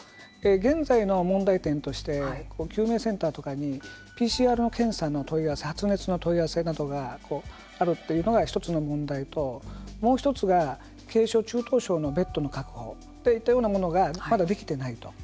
現在の問題点として救命センターとかにＰＣＲ検査の問い合わせ発熱の問い合わせなどがあるというのが１つの問題ともう一つが軽症・中等症のベッドの確保といったようなものがまだできてないと。